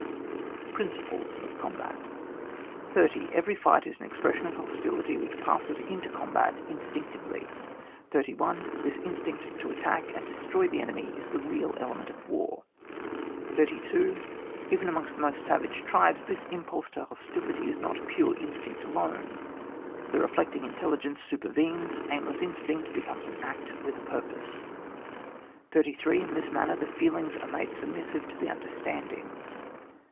Principles of the combat 30. Every fight is an expression of hos tility, which passes into combat instinc tively. 31. This instinct to attack and destroy the enemy is the real element of war. 32. Even cunongst the most savage tribes, this impulse to hostility is not pure instinct alone; the reflecting intel YOh, in. J ligence supervenes, aimless instinct be comes an act with a purpose. 33. In this manner the feelings are made submissive to the understand ing.